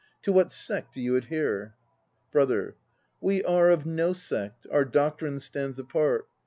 To what sect do you adhere? BROTHER. We are of no sect; our doctrine stands apart.